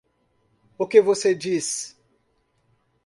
O que você diz?